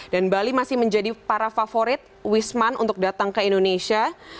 dan bali masih menjadi para favorit wisman untuk datang ke indonesia